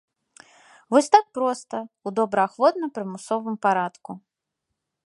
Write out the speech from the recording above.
Вось так проста, у добраахвотна-прымусовым парадку.